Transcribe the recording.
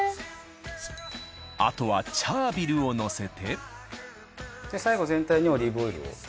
あとはチャービルをのせて最後全体にオリーブオイルを。